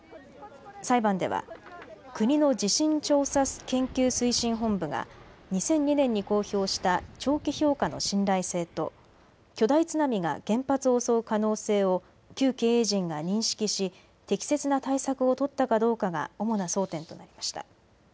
裁判では国の地震調査研究推進本部が２００２年に公表した長期評価の信頼性と巨大津波が原発を襲う可能性を旧経営陣が認識し適切な対策を取ったかどうかが主な争点となりました。